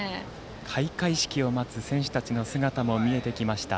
開会式を待つ選手たちの姿も見えてきました。